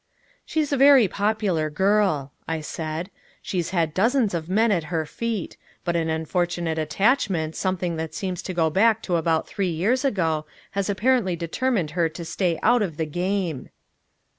"She's a very popular girl," I said. "She's had dozens of men at her feet but an unfortunate attachment, something that seems to go back to about three years ago, has apparently determined her to stay out of the game!"